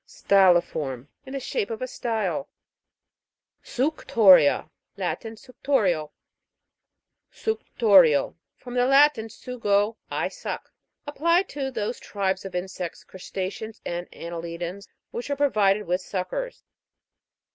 STY'LIFORM. In shape of a stile. Sucyo'RiA. Latin. Suctorial. SUCTO'RIAI,. From the Latin, sugo, I suck. Applied to those tribes of insects, crustaceans and anneli dans, which are provided with suckers.